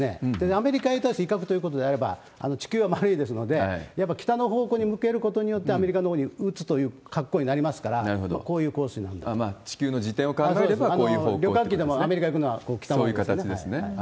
アメリカに対する威嚇ということであれば、地球は丸いですので、やっぱり北の方向に向けることによって、アメリカのほうに打つという格好になりますから、こうい地球の自転を考えれば、こう旅客機でもアメリカ軍が北のそういう形ですね。